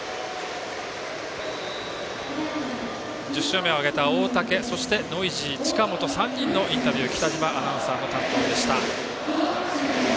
１０勝目を挙げた大竹ノイジー近本、３人のインタビュー北嶋右京アナウンサーの担当でした。